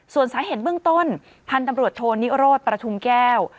ส่วนสาเหตุเบื้องต้นพันธุ์ตำรวจโทนิโรธประทุมแก้ว